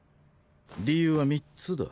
理由は３つだ